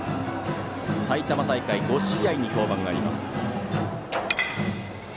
埼玉大会５試合に登板があります。